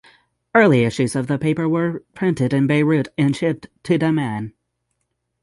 Early issues of the paper were printed in Beirut and shipped to Dammam.